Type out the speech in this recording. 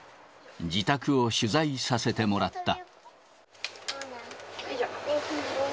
自宅を取材させてもらった。